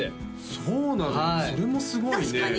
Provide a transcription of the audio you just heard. そうなのそれもすごいね